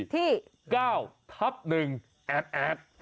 ๙ทับ๑แอดแอด